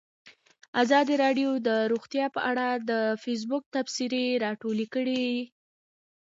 ازادي راډیو د روغتیا په اړه د فیسبوک تبصرې راټولې کړي.